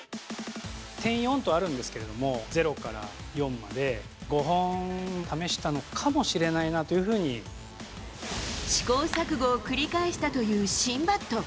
．４とあるんですけれども、０から４まで５本試したのかもし試行錯誤を繰り返したという新バット。